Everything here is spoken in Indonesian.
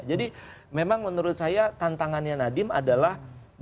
jadi memang menurut saya tantangannya nadiem adalah